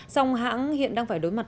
dòng hãng hiện đang phải đối mặt